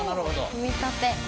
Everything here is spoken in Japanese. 組み立て。